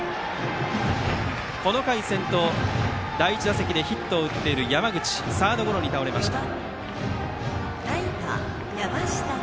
この回、先頭の第１打席でヒットを打っている山口はサードゴロに倒れました。